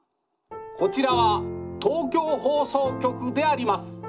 こちらは東京放送局であります。